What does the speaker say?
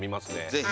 ぜひ。